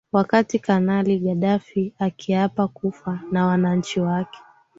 wakati kanali gaddafi akiapa kufa na wananchi wake